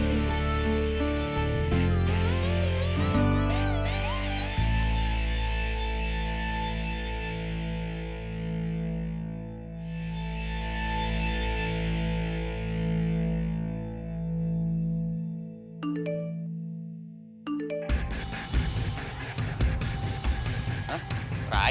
nanti panggilan ini penuh hal lain